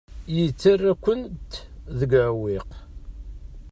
Yettarra-kent deg uɛewwiq.